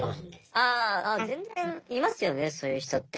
「あ全然いますよねそういう人って。